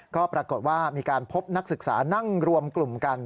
ก็ปรากฏว่ามีการพบนักศึกษานั่งรวมกลุ่มกัน